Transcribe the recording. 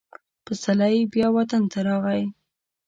پسرلی بیا وطن ته راغی.